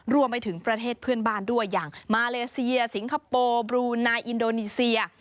รวมไปถึงประเทศเพื่อนบ้านด้วยอย่างมาเลเซียสิงคโปร์บลูนายอินโดนีเซีย